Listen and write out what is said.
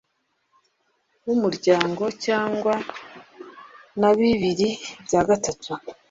w Umryango cyangwa na bibiri bya gatatu